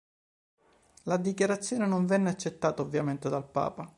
La dichiarazione non venne accettata ovviamente dal Papa.